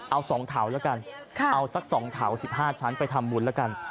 เอาสองเถาละกันเอาสักสองเถา๑๕ชั้นไปทำบุญละกัน